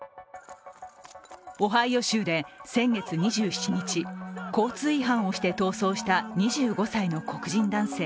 オハイオ州で先月２７日、交通違反をして逃走した２５歳の黒人男性